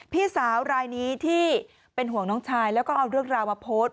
พี่สาวรายนี้ที่เป็นห่วงน้องชายแล้วก็เอาเรื่องราวมาโพสต์